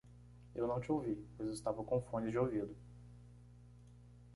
Eu não te ouvi, pois estava com fones de ouvido.